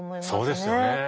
そうですよね。